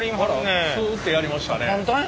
あらスッてやりましたね。